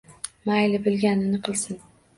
Mayli, bilganini qilsin